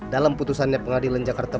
dalam putusannya pengadilan jakarta